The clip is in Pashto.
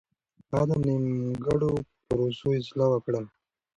هغه د نيمګړو پروسو اصلاح وکړه.